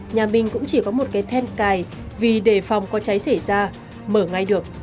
nhà mình cũng chỉ có một cái then cài vì đề phòng có cháy xảy ra mở ngay được